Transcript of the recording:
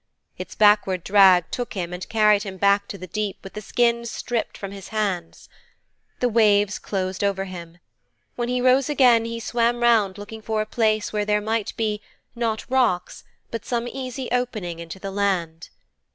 Its backward drag took him and carried him back to the deep with the skin stripped from his hands. The waves closed over him. When he rose again he swam round looking for a place where there might be, not rocks, but some easy opening into the land.